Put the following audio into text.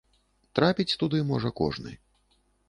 Трапіць туды можа кожны.